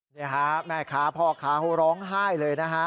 เนี่ยครับแม่ค้าพ่อค้าโฮร้องไห้เลยนะครับ